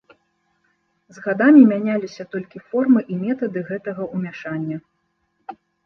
З гадамі мяняліся толькі формы і метады гэтага ўмяшання.